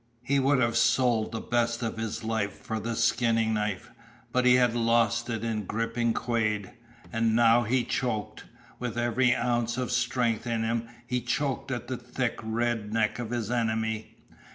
He would have sold the best of his life for the skinning knife. But he had lost it in gripping Quade. And now he choked with every ounce of strength in him he choked at the thick red neck of his enemy.